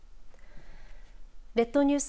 列島ニュース